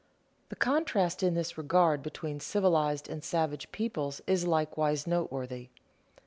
The contrast in this regard between civilized and savage peoples is likewise noteworthy.